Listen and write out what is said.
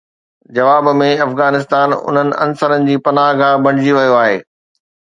جواب ۾ افغانستان انهن عنصرن جي پناهه گاهه بڻجي ويو آهي